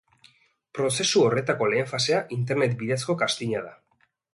Prozesu horretako lehen fasea internet bidezko casting-a da.